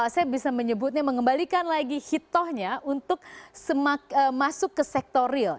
saya bisa menyebutnya mengembalikan lagi hitohnya untuk masuk ke sektor real